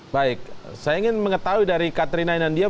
baik saya ingin mengetahui dari katrina inandia